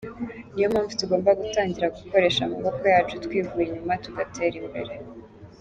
Niyo mpamvu tugomba gutangira gukoresha amaboko yacu twivuye inyuma tugatera imbere.